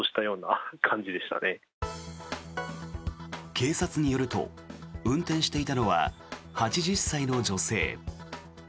警察によると運転していたのは８０歳の女性。